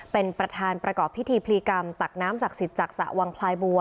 เป็นประธานประกอบพิธีพลีกรรมตักน้ำศักดิ์สิทธิ์จากสระวังพลายบัว